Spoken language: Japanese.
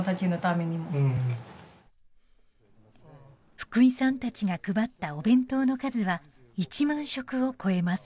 福井さんたちが配ったお弁当の数は１万食を超えます